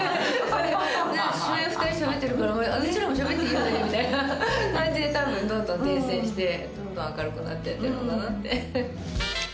主演２人しゃべってるから私らもしゃべっていいよねみたいな感じで多分どんどん伝染してどんどん明るくなってってるのかなって。